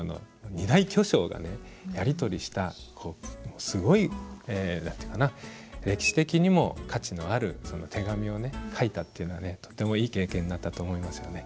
やり取りしたすごい歴史的にも価値のある手紙を書いたというのはとてもいい経験になったと思いますよね。